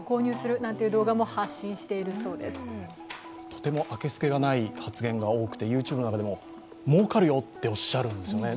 とてもあけすけがない発言が多くてＹｏｕＴｕｂｅの中でももうかるよとおっしゃるんですよね。